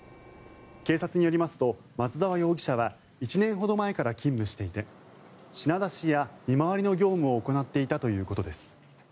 警察によりますと松沢容疑者は１年ほど前から勤務していて品出しや見回りの業務を行っていたということです。